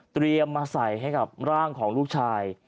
มาใส่ให้กับร่างของลูกชาย